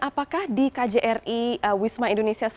apakah di kjri wisma indonesia